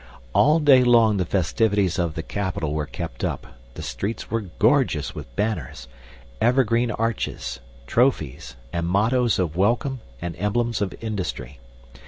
} All day long the festivities of the capital were kept up, the streets were gorgeous with banners, evergreen arches, trophies, and mottoes of welcome and emblems of industry.